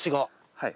はい。